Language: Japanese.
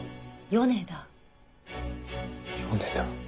米田。